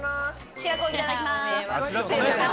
白子いただきます。